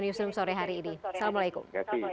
jusin sorry hari ini assalamualaikum